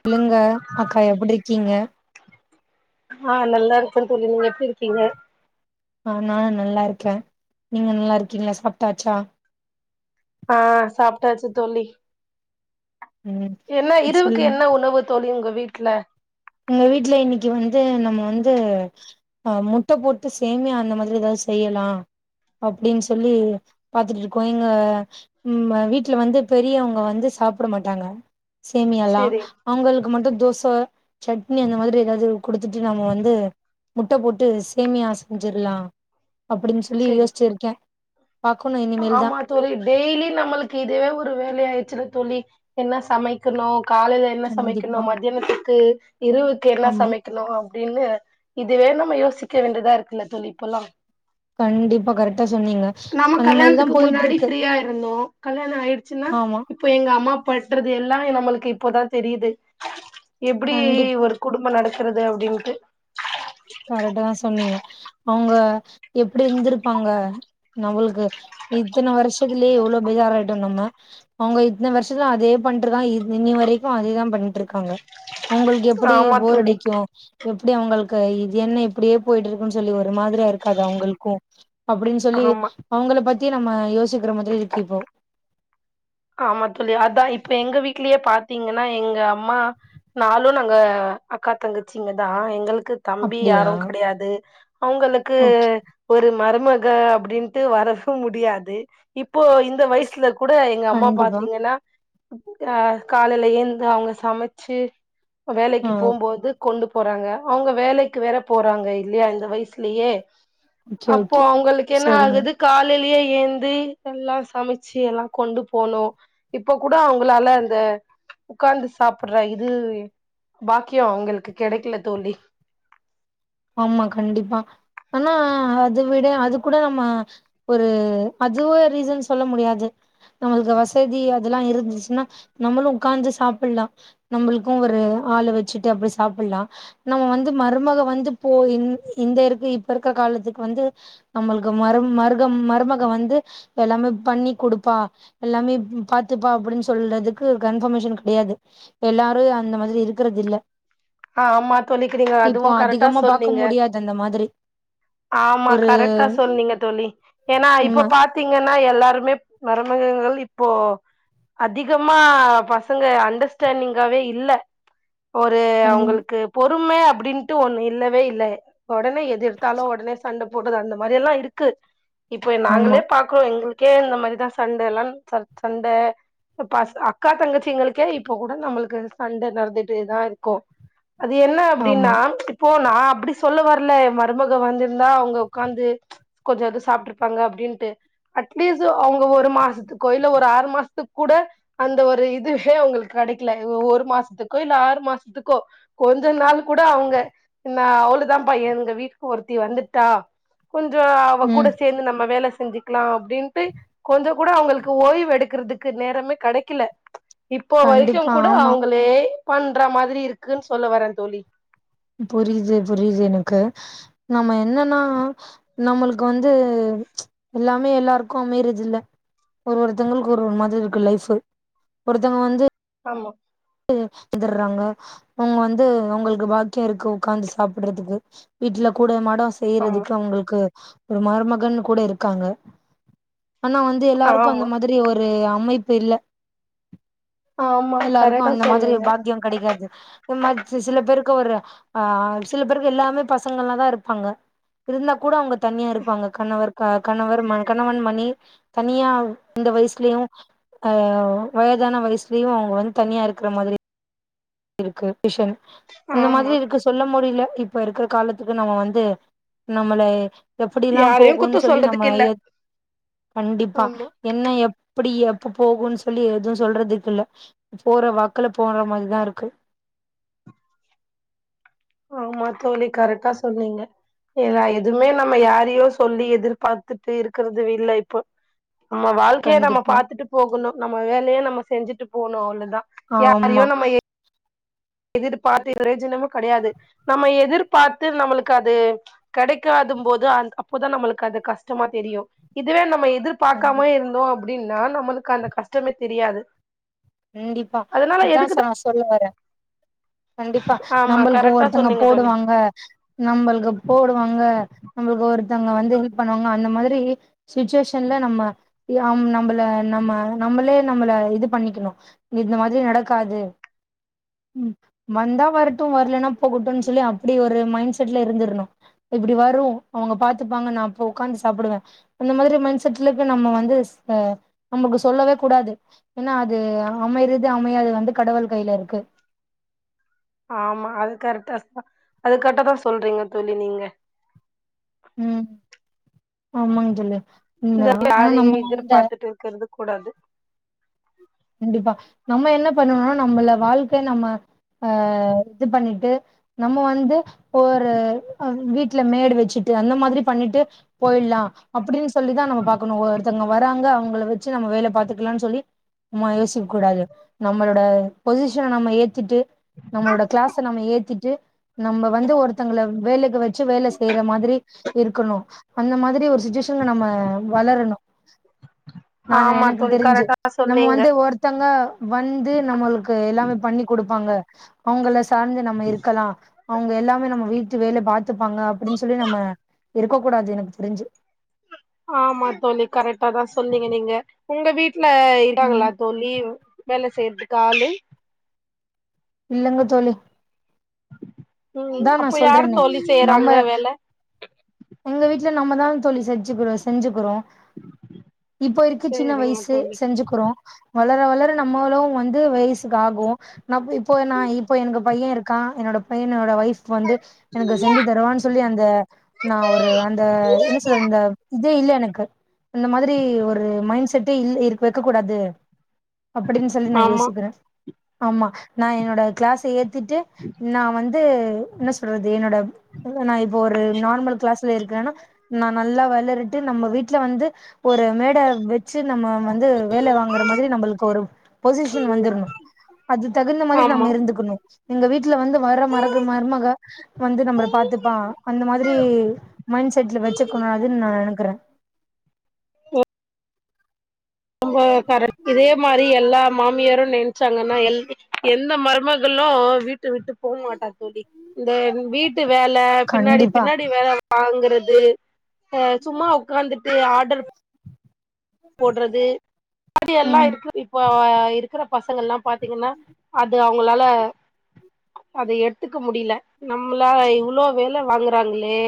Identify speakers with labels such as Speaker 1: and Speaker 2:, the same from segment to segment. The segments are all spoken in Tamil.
Speaker 1: சொல்லுங்க அக்கா எப்டிருக்கீங்க
Speaker 2: ஆ நல்லா இருக்கே தோழி நீங்க எப்டி இருக்கீங்க
Speaker 1: ஆ நா நல்லா இருக்கே நீங்க நல்லா இருக்கீங்களா சாப்டாச்சா
Speaker 2: ஆ சாப்டாச்சு தோழி
Speaker 1: ம்
Speaker 2: என்ன இருவுக்கு
Speaker 1: சொல்லுங்க
Speaker 2: என்ன உணவு தோழி உங்க வீட்ல
Speaker 1: எங்க வீட்டுல இன்னைக்கு வந்து நம்ம வந்து ஆ முட்ட போட்டு சேமியா அந்த மாதிரியேதாவது செய்யலா அப்டின்னு சொல்லி பாத்துட்ருக்கோ எங்க வீட்டுல வந்து பெரியவங்க வந்து சாப்டமாட்டாங்க சேமியால்லா
Speaker 2: சேரி
Speaker 1: அவங்களுக்கு மட்டு தோச சட்னி அந்த மாதிரி ஏதாவது குடுத்துட்டு நம்ம வந்து முட்ட போட்டு சேமியா செஞ்சர்லா அப்டின்னு சொல்லி
Speaker 2: சேரி
Speaker 1: யோச்சுருக்கே
Speaker 2: ஆமா தோழி டெய்லி நம்மளுக்கு இதுவே ஒரு வேல ஆயட் வச்சிரு தோழி என்ன சமைக்கணு காலையில என்ன சமைக்கணு
Speaker 1: கண்டிப்பா
Speaker 2: மத்தியானத்துக்கு இருவுக்கு என்ன
Speaker 1: ஆமா
Speaker 2: சமைக்கணு அப்டின்னு இதுவே நம்ம யோசிக்க வேண்டியதா இருக்குல்ல தோழி இப்பல்லா
Speaker 1: கண்டிப்பா கரெக்டா சொன்னீங்க
Speaker 2: நம்ம
Speaker 1: அந்த மாரிதா
Speaker 2: கல்யாணத்துக்கு முன்னாடி
Speaker 1: போயிட்ருக்கு
Speaker 2: ஃப்ரீயா இருந்தோ கல்யாணோ ஆயிடுச்சுன்னா
Speaker 1: ஆமா
Speaker 2: இப்போ எங்க அம்மா பற்றது எல்லா நம்மளுக்கு இப்போதா தெரியுது எப்டி
Speaker 1: கண்டிப்பா
Speaker 2: ஒரு குடும்போ நட த்றது அப்டின்ட்டு
Speaker 1: கரெக்ட் தா சொன்னீங்க அவங்க எப்டி இருந்திருப்பாங்க நம்ளுக்கு இத்தன வருஷத்திலே இவ்ளோ பெரியாளாயிட்டோ நம்ம அவங்க இந்த வருஷத்துல அதே பண்ணிட்டு தா இ இனி வரைக்கு அதேதா பண்ணிட்டு இருக்காங்க அவங்களுக்கு எப்டி
Speaker 2: ஆமா தோழி
Speaker 1: போரடிக்கு எப்டி அவங்கள் க்கை இது என்ன இப்டியே போயிட்டு இருக்குன்னு சொல்லி ஒரு மாதிரியா இருக்காது அவங்களுக்கு அப்டின்னு சொல்லி
Speaker 2: ஆமா
Speaker 1: அவங்கள பத்தி நம்ம யோசிக்கிற மாதிரி இருக்கு இப்போ
Speaker 2: ஆமா தோழி அதா இப்ப எங்க வீட்லயே பாத்தீங்கன்னா எங்க அம்மானாளு நாங்க அக்கா தங்கச்சிங்க தா எங்களுக் தம்பி
Speaker 1: அப்டியா
Speaker 2: யாரு கிடையாது அவங்களுக்கு
Speaker 1: ஓகே
Speaker 2: ஒரு மருமக் ங்க வந்து அப்டின்ட்டு வரவு முடியாது இப்போ இந்த வயசுல கூட எங்க அம்மா
Speaker 1: கண்டிப்பா
Speaker 2: பாத்தீங்கன்னா அ காலையில ஏந்து அவங்க சமைச்சு
Speaker 1: ஆ
Speaker 2: வேலைக்கு போம்போது கொண்டு போறாங்க அவங்க வேலைக்கு வேற போறாங்க இல்லையா இந்த வயசுலயே
Speaker 1: ஓகே
Speaker 2: அப்போ
Speaker 1: ஓகே
Speaker 2: அவங்களுக்கு என்ன
Speaker 1: சரிங்க
Speaker 2: ஆகுது காலையிலயே ஏந்து எல்லா சமைச்சு எல்லா கொண்டு போணு இப்ப கூட அவங்களால இந்த உக்காந்து சாப்புடுற இது பாக்கியோ அவங்களுக்கு கெடைக்கல தோழி
Speaker 1: ஆமா கண்டிப்பா ஆனா அதவிட அது கூட நம்ம ஒரு அதுவே ரீசன் சொல்ல முடியாது நம்மளுக்கு வசதி அதெல்லம் இருந்துச்சுன்னா நம்மளு உக்காந்து சாப்பிடலா நம்ளுக்கு ஒரு ஆளு வச்சுட்டு அப்டி சாப்பிடலா நம்ம வந்து மருமக வந்து போ இந் இந்த இருக் இப்ப இருக்கிற காலத்துக்கு வந்து நம்மளுக்கு மரு மருகம் மருமக வந்து இப்ப எல்லாமே பண்ணி குடுப்பா எல்லாமே பாத்துப்பா அப்டின்னு சொல்றதுக்கு கன்பர்மேஷன் கெடையா து எல்லாரு அந்த மாரி இருக்கறதில்ல
Speaker 2: ஆ ஆமா தோழிக்கு நீங்க அதுவு கரெக்டா சொல்
Speaker 1: க்க முடியாது அந்த மாதிரி
Speaker 2: ஆமா
Speaker 1: ஒரு
Speaker 2: கரெக்டா சொன்னீங்க தோழி ஏன்னா
Speaker 1: ம
Speaker 2: இப்ப பாத்தீங்க‌ ன்னா எல்லாருமே மருமகங்கள் இப்போ அதிகமா பசங்க அண்டர்ஸ்டாண்டிங்காவே இல்ல ஒரு
Speaker 1: கண்
Speaker 2: அவங் பொறும அப்டின்ட்டு ஒண்ணு இல்லவே இல்ல ஒடனே எதெடுத்தாலு உடனே சண்ட போட்டது அந்த மாரி எல்லா இருக்கு இப்போ
Speaker 1: ஆமா
Speaker 2: நாங்களே பாக்குறோ எங்களுக் கே இந்தமாரிதா சண்டை எல்லா ச சண்ட பச அக்கா தங்கச்சிங்களுக்கே இப்போ கூட நம்ளுக்கு சண்டை நடந்துட்டு தா இருக்கு அது என்ன
Speaker 1: ஆமா
Speaker 2: அப்டின்னா இப்போ நா அப்டி சொல்ல வரல மருமக வந்திருந்தா அவங்க உக்காந்து கொஞ்சோ எது சாப்பிட்டு இருப்பாங்க அப்டின்ட்டு அட்லீஸ்ட் அவுங்க ஒரு மாசத்துக்கோ இல்ல ஒரு ஆறு மாசத்துக்கு கூ ட அந்த ஒரு இதுவே அவுங்களுக்கு கெடைக்கல ஒரு மாசத்துக்கோ இல்ல ஆறு மாசத்துக்கோ கொஞ்ச நாளு கூட அவ்ங்க நா அவ்ளவுதாபா எங்க வீட்டுக்கு ஒருத்தி வந்துட்டா கொஞ்சோ அவ கூட
Speaker 1: ம்
Speaker 2: சேந்து நம்ம வேல செஞ்சுக்கலா அப்டின்ட்டு கொஞ்சோ கூட அவங்களுக்கு ஓய்வு எடுக்கறதுக்கு நேரமே கெடைக்கல இப்போ வரைக்கு
Speaker 1: கண்டிப்பா
Speaker 2: கூட
Speaker 1: ஆமா
Speaker 2: அவங்களே பண்ற மாதிரி இருக்குன்னு சொல்ல வரே தோழி
Speaker 1: புரியுது புரியுது எனக்கு நம்ம என்னன்னா நம்ளுக்கு வந்து எல்லாமே எல்லாருக்கு அமையறது இல்ல ஒரு ஒருத்தங்களுக்கு ஒரு ஒரு மாதிரி இருக்கு லைஃபு ஒருத்தங்க வந்து
Speaker 2: ஆமா
Speaker 1: க்கு எகுர்றாங்க அவுங்க வந்து உங்களுக்கு பாக்கியம் இருக்கு உக்காந்து சாப்புட்றதுக்கு வீட்ல கூடை மா இதா
Speaker 2: ஆமா
Speaker 1: செய்யறதுக்கு அவங்களுக்கு ஒரு மருமகன் கூட இருக்காங்க ஆனா வந்து எல்லாருக்கு
Speaker 2: ஆமா
Speaker 1: அந்த மாதிரி ஒரு அமைப்பு இல்ல
Speaker 2: ஆமா
Speaker 1: எல்லாருக்கு
Speaker 2: கரெக்ட்
Speaker 1: அந்த மாதிரி பாக்கியம் கிடைக்காது ஒரு மாறி சில ருக்கு ஒரு ஆ சில பேருக்கு எல்லாமே பசங்க எல்லாதான் இருப்பாங்க இருந்தா கூட அவங்க தனியா இருப்பாங்க கணவர் க கணவர் ம கணவன் மணி தனியா இந்த வயசுலயு அ வயதான வயசுலயு அவங்க வந்து தனியா இருக்கிற மாதிரி இருக்கு விஷன் இந்த மாதிரி
Speaker 2: ஆமா
Speaker 1: இருக்கு சொல்ல முடியல இப்ப இருக்கிற காலத்துக்கு நம்ம வந்து நம்மளை எப்டில்லாம்
Speaker 2: யாரையு குத்த
Speaker 1: போகும்ன்னு சொல்லி நம்ம
Speaker 2: சொல்றதுக்கு இல்ல
Speaker 1: கண்டிப்பா
Speaker 2: ஆமா
Speaker 1: என்ன எப்டி இப்ப போகும்ன்னு சொல்லி எதுவும் சொல்றதுக்குல்ல போற வாக்குல போற மாரிதா இருக்கு க்கு
Speaker 2: ஆமா தோழி கரெக்டா சொன்னீங்க ஏன்னா எதுவுமே நம்ம யாரையோ சொல்லி எதிர்பார்த்துட்டே இருக்கறது இல்ல இப்போ நம்ம வாழ்க்கைய நம்ம
Speaker 1: கண்டிப்பா
Speaker 2: பாத்துட்டு போகணும் நம்ம வேலைய நம்ம செஞ்சுட்டு போணும் அவ்ள தான்
Speaker 1: ஆமா
Speaker 2: யாரையோ நம்ம எதிர்பார்த்து பிரோஜனமும் கிடையாது நம்ம எதிர்ப் பாத்து நம்மளுக்கு அது கடைக்காதும் போது அப்போதா நம்மளுக்கு அது கஷ்டமா தெரியு இது இதுவே நம்ம
Speaker 1: கண்டி
Speaker 2: எதிர்பார்க்காம இருந்தோம் அப்படின்னா நம்மளுக்கு அந்த கஷ்டமே தெரியாது
Speaker 1: கண்டிப்பா
Speaker 2: அதனால
Speaker 1: அதான்
Speaker 2: எதுக்குதா
Speaker 1: சார் நா சொல்ல வரே கண்டிப்பா
Speaker 2: ஆமா
Speaker 1: நம்மளுக்கு
Speaker 2: கரெக்டா
Speaker 1: ஒருத்தங்க
Speaker 2: சொன்னீங்க தோழி
Speaker 1: போடுவாங்க நம்மளுக்கு போடுவாங்க நம்மளுக்கு ஒருத் ஒருத்தவங்க வந்து ஹெல்ப் பண்ணுவாங்க அந்த மாதிரி சுச்சுவேஷன்ல நம்ம நம்மள நம்ம நம் நம்மளே நம்மள இது பண்ணிக்கணு இந்த மாதிரி நடக்காது ம் வந்தா வரட்டு வரலன்னா போகட்டுன்னு சொல்லி அப்டி ஒரு மைண்ட் செட்ல இருந்திரணு இப்டி வரும் அவங்க பாத்துப்பாங்க நா அப்ப உக்காந்து சாப்டுவே இந்த மாதிரி மைண்ட் செட்ல இருக்க நம்ம வந்து இப்ப நமக்கு சொல்லவே கூடாது ஏன்னா அது அமையிறது அமையாதது வந்து கடவுள் கையில இருக்கு
Speaker 2: ஆமா அது கரக்டா அதுக் கரெக்ட்டா தான் சொல்றீங்க தோழி நீங்க
Speaker 1: ம் ஆமாங் தோழி ம்
Speaker 2: இந்த
Speaker 1: ஆனா நம்ம
Speaker 2: யாரையு எதிர்
Speaker 1: அந்த
Speaker 2: பார்த்துட்டு இருக்கறது கூடாது
Speaker 1: கண்டிப்பா நம்ம என்ன பண்ணணுனா நம்மள வாழ்க்க நம்ம அ இது பண்ணிட்டு நம்ம வந்து ஒரு அ வீட்ல மேடு வச்சுட் இது அந்த மாதிரி பண்ணிட்டு போயிட்லா அப்டின்னு சொல்லிதா நம்ம பாக்கணு ஒருத்தங்க வராங்க அவங்களுக்கு வச்சு நம்ம வேலைய பாத்துக்கலான்னு சொல்லி சும்மா யோசிக்கூடாது நம்மளோட பொசிஷன நம்ம ஏத்துட்டு நம்மளோட கிளாஸ்ச நம்ம ஏத்திட்டு நம்ம வந்து ஒருத்தங்கள வேலைக்கு வச்சு வேலை செய்ற மாதிரி இருக்கணு அந்த மாதிரி ஒரு சுச்சு ன்ன நம்ம வளரணும் நானு
Speaker 2: ஆமா
Speaker 1: எனக்கு
Speaker 2: தோழி
Speaker 1: தெரிஞ்சு
Speaker 2: கரெக்டா
Speaker 1: நம்ம
Speaker 2: சொன்னீங்க
Speaker 1: வந்து ஒருத்தங்க வந்து நம்மளுக்கு எல்லாமே பண்ணி குடுப்பாங்க அவங்கள சார்ந்து நம்ம இருக்கலாம் அவங்க எல்லாமே நம்ம வீட்டு வேலை பாத்துப்பாங்க அப்டின்னு சொல்லி நம்ம இருக்கக்கூடாது எனக்கு தெரிஞ்சு
Speaker 2: ஆமா தோழி கரெக்டா தா சொன்னீங்க நீங்க உங்க வீட் வீட்ல இருக்காங்களா
Speaker 1: ம்
Speaker 2: தோழி வேலை செய்யறதுக்கு ஆளு
Speaker 1: இல்லங்க தோழி
Speaker 2: ம்
Speaker 1: அதா நா
Speaker 2: அப்ப யாரு
Speaker 1: சொல்றேனே
Speaker 2: தோழி
Speaker 1: நம்ம
Speaker 2: செய்யறாங்க வேல
Speaker 1: எங்க வீட்ல நம்மதான் தோழி செஞ்சுக்கிற செஞ்சுக்கிறோ இப்போ இருக்கு சின்ன
Speaker 2: சேரிங்க
Speaker 1: வயசு
Speaker 2: தோழி
Speaker 1: செஞ்சுக்குறோ வளர வளர நம்மளும் வந்து வயசுக்கு ஆகு நா போயி இப்போ நா இப்போ எனக்கு பையே இருக்கா கா என்னோட பையனோட வைய்ஃப் ஃப் வந்து எனக்கு செஞ்சு தருவான் சொல்லி அந்த நா ஒரு அந்த என்ன சொல்னுந்த இதே இல்ல எனக்கு இந்த மாதிரி ஒரு மைண் செட்டே இல் இருக் வெக்க கூடாது அப்டின் சொல்லி நா
Speaker 2: ஆமா
Speaker 1: யோசிக்கிறே ஆமா நா என்னோட க்ளாஸயே திட்டு நா வந்து என்ன சொல்றது என்னோட இல்ல நா இப்ப ஒரு நார்மல் பஸ்ல இருக்குறேனா நா நல்லா வளறிட்டு நம்ம வீட்ல வந்து ஒரு மேட வச்சு நம்ம வந்து வேல வாங்குற மாதிரி நம்பளுக்கு ஒரு பொசிஷன் வந்துர்ணு அது தகுந்த மாதிரி
Speaker 2: ஆமா
Speaker 1: நம்ம இருந்துக்கணு எங்க வீட்டுல வந்து வர மரகு மருமக வந்து நம்மள பாத் துப்பா அந்த மாதிரி மைண் செட்ல வச்சுற்கனு அது நா நெனக்குறே
Speaker 2: ரொம்ப கரெக்ட் இதே மாரி எல்லா மாமியாரு நெனச்சாங்கனா எல் எந்த மருமகளும் வீட்ட விட்டு போ மாட்டா தோழி இந்த வீட்டு வேல பின்னாடி
Speaker 1: கண்டிப்பா
Speaker 2: பின்னாடி வேல வாங்குறது ஏ சும்மா உக்காந்துட்டு ஆர்டர் போட்றது அது எல்லா
Speaker 1: ம்
Speaker 2: இருக்கு இப்போ ஆ இருக்குற பசங்க எல்லா பாத்திங்கன்னா அது அவுங்களால அத எடுத்துக்க முடியல நம்மளா இவ்ளோ வேல வாங்குறாங்களே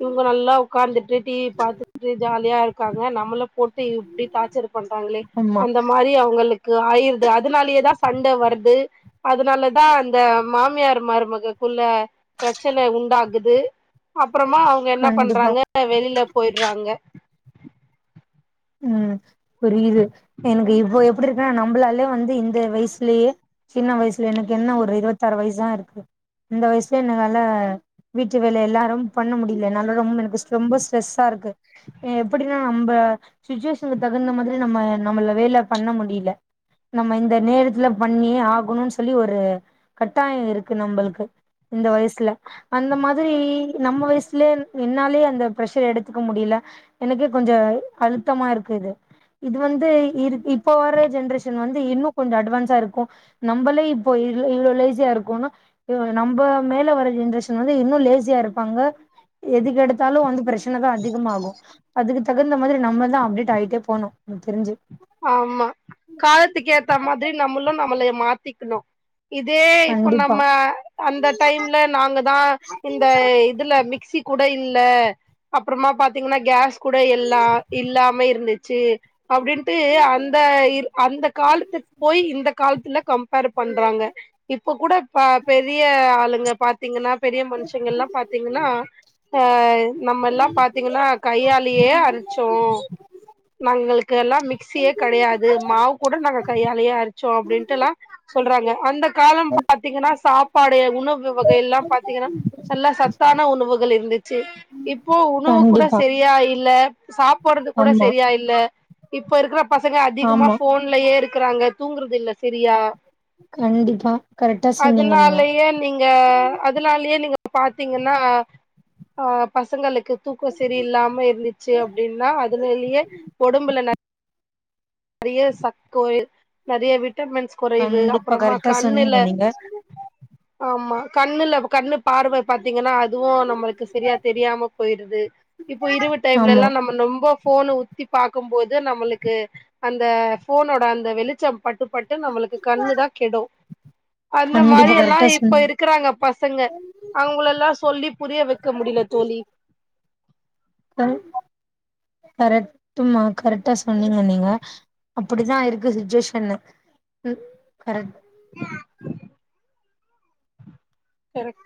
Speaker 2: இவுங்க நல்லா உக்காந்துட்டு டிவி பாத்துகுட்டு ஜாலியா இருக்காங்க நம்மள போட் டு இப்டி டார்ச்சர் பண்றாங்களே
Speaker 1: ஆமா
Speaker 2: அந்த மாரி அவுங்களுக்கு து ஆயிருது அதுனாலேயே தா சண்ட வரது அதுனாலதா அந்த மாமியார் மருமக கொ ல்ல ப்ரச்சன உண்டாகுது அப்பறமா அவுங்க என்ன
Speaker 1: கண்டிப்பா
Speaker 2: பண்றாங்க வெளில போயிற்றாங்க
Speaker 1: ம் புரியிது எனக்கு இப்போ எப்டிருக்குனா நம்ளாயு வந்து து இந்த வயசுலேயே சின்ன வயசில எனக்கு என்ன ஒரு இருவத்தாரு வய்சு தா இருக்கு இந்த வயசுல என்ன வேல வீட்டு வேலை எல்லாரும் பண்ண முடியல என்னால ரொம்ப எனக் ஸ் ரொம்ப ஸ்ட்ரெஸ்ஸா இருக்கு எப்புடின்னா நம்ப சுச்சுவேஷனுக்கு தகுந்த மாதிரி நம்ம நம்மள வேல பண்ண முடியல நம்ம இந்த நேரத்துல பண்ணியே ஆகணுன்னு சொல்லி ஒரு கட்டாயோ இருக்கு நம்பளுக்கு இந்த வயசுல அந்த மாதிரி நம்ம வயசுலே என்னாலயே அந்த ப்ரசர் எடுத்துக்க முடியல எனக்கே கொஞ்ச அழுத்தமா இருக்குது இது வந்து இருக் இப்போ வர்ற ஜென்ரேஷன் வந்து இன்னு கொஞ்ச அட்வான்சா இருக்கும் நம்பளே இப்போ இருக் இல்ல இவ்ளோ லேசியா இருக்கோன்னா இ நம்ப மேல வர்ற ஜென்ரேஷன் வந்து இன்னும் லேசியா இருப்பாங்க எதுக்கு எடுத்தாலு வந்து ப்ரச்சன தா அதிகமாகும் அதுக்கு தகுந்த மாதிரி நம்ம தா அப்டேட் ஆயிட்டே போனு எனக்கு தெருஞ்சு
Speaker 2: ஆமா காலத்துக்கேத்த மாதிரி நம்மளு நம்மள மாத்திக்கணு இதே இப்போ
Speaker 1: கண்டிப்பா
Speaker 2: நம்ம அந்த டைம்ல நாங்க தா இந்த இதுல மிக் மிக்சி கூட இல்ல அப்பறமா பாத்தீங்கன்னா கேஸ் கூட எல்லா இல்லாம இருந்துச் ச்சு அப்டின்ட்டு அந்த இரு அந்த காலத்துக்கு போய் இந்த காலத்துல கம் ம்ஃபேர் பண்றாங்க இப்ப கூட ப பெரிய ஆளுங்க பாத்தீங்கன்னா பெரிய மனுசங்கெல்லா பாத்தீங்கன்னா ஆ நம்ம எல்லாம் பாத்தீங்கன்னா கையாலயே அரச்சோ நாங்களுக்கு எல்லா மிக் சியே கெடையாது மாவு கூட நாங்க கையாலையே அரச்சோ அப்டின்ட்டெல்லா சொல்றாங்க அந்த காலம் பா பாத்தீங்கன்னா சாப்பாடு உணவு வகை எல்லாம் பாத்தீங்கன்னா நல்லா சத்தான உணவுகள் இருந்துச்சு இப்போ உணவு கூட
Speaker 1: கண்டிப்பா
Speaker 2: செரியா இல்ல சாப்பட்றது கூட
Speaker 1: ஆமா
Speaker 2: செரியா இல்ல இப் இப்ப இருக்கற பசங்க அதிகமா
Speaker 1: ஆமா
Speaker 2: ஃபோன்லயே இருக்குறாங்க தூங்குறது இல்ல செரியா
Speaker 1: கண்டிப்பா கரெக்டா சொன்னீங்க நீங்க
Speaker 2: அதுனாலயே நீங்க அதுனாலயே நீங்க பாத்தீங்கன்னா ஆ பசங்களுக்கு தூக்கோ செரி இல்லாம இருந்துச்சு அப்டின்னா அதுனாலயே ஒடம்புல நல் நறைய சக் கோயில் நறைய விட் டமின்ஸ் குறைவு
Speaker 1: கண்டிப்பா
Speaker 2: அப்பறமா
Speaker 1: கரெக்டா
Speaker 2: கண்ணுல
Speaker 1: சொன்னீங்க நீங்க
Speaker 2: ஆமா கண்ணுல கண்ணு பார்வ பாத்தீங்கன்னா அத் துவு நம்மளுக்கு செரியா தெரியாம போயிருது இப்பொ இரவு
Speaker 1: ஆமா
Speaker 2: டைம்லேல்லா நம்ம நொம்போ ஃபோன உத்தி பாக்கம் போது நம்மளுக்கு அந்த ஃபோனோட அந்த வெளிச்சம் பட்டுப்பட்டு நம்மளுக்கு கண்ணு தா கெடு அந்த
Speaker 1: கண்டிப்பா
Speaker 2: மாரியெல்லா
Speaker 1: கரெக்டா
Speaker 2: இப்ப
Speaker 1: சொன்னீங்க
Speaker 2: இருக்குறாங்க பசங்க அவுங்களல்லா சொல்லி புரிய வெக்க முடில தோழி
Speaker 1: கல் கரெக்ட்டுமா கரெக்ட்டா சொன்னீங்க நீங்க அப்புடிதா இருக்கு சுச்சுவேஷனு ம் கரெக்ட்
Speaker 2: கரெக்